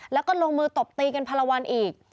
แล้วก็ลงมือตบตีกันพันละวันอีก